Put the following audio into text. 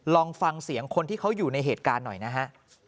ลองฟังเสียงคนที่เขาอยู่ในเหตุการณ์หน่อยนะฮะ